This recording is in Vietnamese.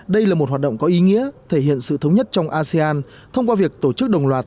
đây là một hoạt động có ý nghĩa thể hiện sự thống nhất trong asean thông qua việc tổ chức đồng loạt